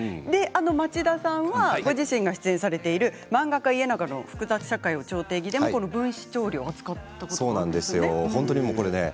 町田さんはご自身が出演されている「漫画家イエナガの複雑社会を超定義」でも分子調理は扱ったことがあるんですね。